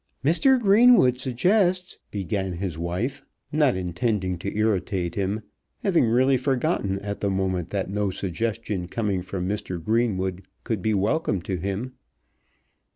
"Mr. Greenwood suggests ," began his wife, not intending to irritate him, having really forgotten at the moment that no suggestion coming from Mr. Greenwood could be welcome to him.